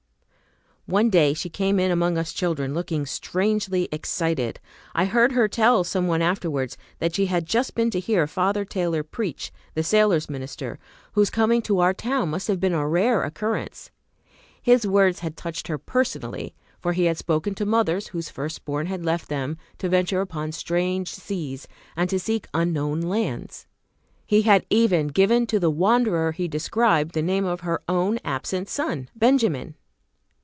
One day she came in among us children looking strangely excited. I heard her tell some one afterwards that she had just been to hear Father Taylor preach, the sailors minister, whose coming to our town must have been a rare occurrence. His words had touched her personally, for he had spoken to mothers whose first born had left them to venture upon strange seas and to seek unknown lands. He had even given to the wanderer he described the name of her own absent son "Benjamin."